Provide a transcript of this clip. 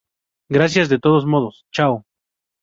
gracias de todos modos. chao.